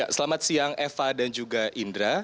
selamat siang eva dan juga indra